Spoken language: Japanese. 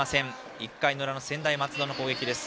１回の裏の専大松戸の攻撃です。